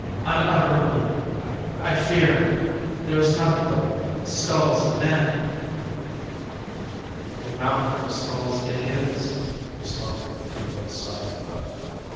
—unutterably I fear!…there is nothing but skulls of men!" "A mountain of skulls it is," responded the Bodhisattva.